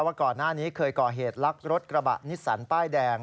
ว่าก่อนหน้านี้เคยก่อเหตุลักรถกระบะนิสสันป้ายแดง